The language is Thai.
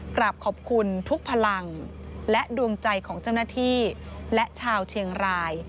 กราบขอบคุณทุกพลังและดวงใจของเจ้าหน้าที่และชาวเชียงราย